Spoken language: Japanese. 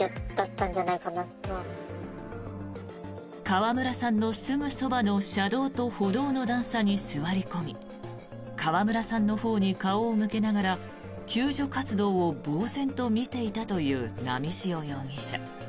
川村さんのすぐそばの車道と歩道の段差に座り込み川村さんのほうに顔を向けながら救助活動をぼうぜんと見ていたという波汐容疑者。